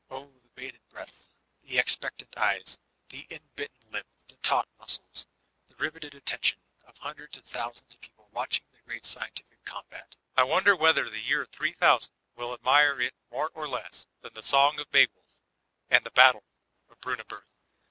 O the bated breath, the expectant eyes, the inbitten lip, the taut muscles, the riveted attention, of hundreds of thousands of people watching the great ''scientific" combat I wonder whether the year jooo will admire it more or less than the Song of Beowulf and the Battle of Bmnanbnrh.